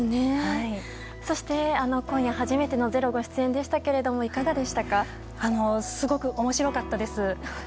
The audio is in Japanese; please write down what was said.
そして、今夜初めての「ｚｅｒｏ」ご出演でしたがすごく面白かったです。